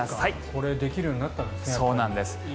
これできるようになったんですね。